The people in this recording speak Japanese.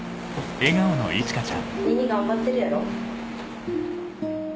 にいにい頑張ってるやろ？